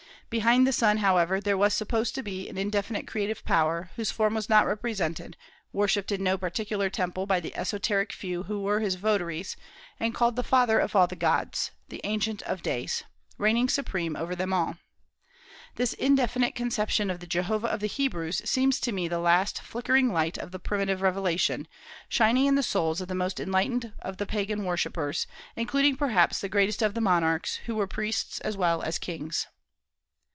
Behind the sun, however, there was supposed to be an indefinite creative power, whose form was not represented, worshipped in no particular temple by the esoteric few who were his votaries, and called the "Father of all the gods," "the Ancient of days," reigning supreme over them all. This indefinite conception of the Jehovah of the Hebrews seems to me the last flickering light of the primitive revelation, shining in the souls of the most enlightened of the Pagan worshippers, including perhaps the greatest of the monarchs, who were priests as well as kings.